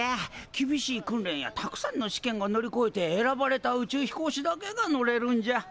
厳しい訓練やたくさんの試験を乗りこえて選ばれた宇宙飛行士だけが乗れるんじゃ。